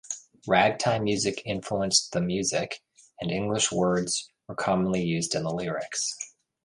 Ragtime music influenced the music, and English words were commonly used in the lyrics.